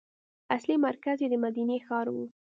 اصلي مرکز یې د مدینې ښار و.